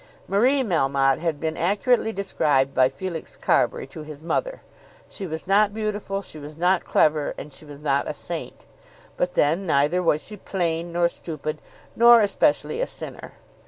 Marie Melmotte had been accurately described by Felix Carbury to his mother. She was not beautiful, she was not clever, and she was not a saint. But then neither was she plain, nor stupid, nor, especially, a sinner.